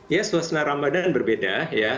ya suasana ramadan berbeda